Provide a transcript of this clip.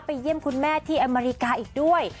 เยี่ยมคุณแม่ที่อเมริกาอีกด้วย